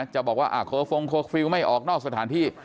จะบอกว่าโคฟิลไม่ออกนอกสถานที่